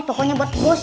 pokoknya buat bos sih